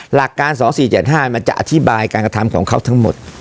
หลักการ๒๔๗๕มันจะอธิบายการกระทำของเขาทั้งหมด